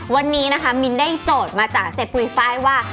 วันนี้นะคะมินได้โจทย์มาจากเซปุ๋ยไฟล์ว่า